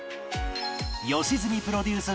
良純プロデュース